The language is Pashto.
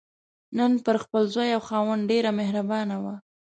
نن پر خپل زوی او خاوند ډېره مهربانه وه.